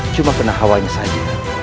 cuma penahawanya saja